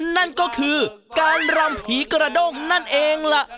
นั่นก็คือการรำผีกระด้งนั่นเองล่ะ